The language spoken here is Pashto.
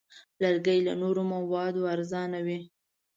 لرګی له نورو موادو ارزانه وي.